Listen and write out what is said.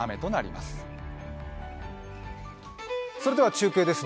中継です。